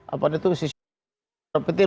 apa itu si si